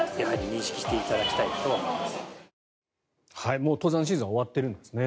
もう登山シーズンは終わってるんですね。